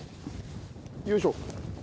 よいしょ。